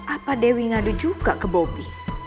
apa dewi ngadu juga ke bobi